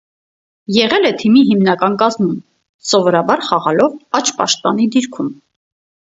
Եղել է թիմի հիմնական կազմում՝ սովորաբար խաղալով աջ պաշտպանի դիրքում։